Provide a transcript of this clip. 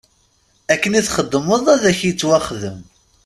Akken i txedmeḍ ad ak-ittwaxdem.